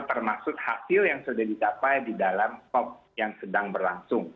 termasuk hasil yang sudah dicapai di dalam top yang sedang berlangsung